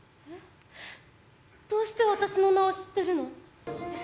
どうして私の名を知ってるの？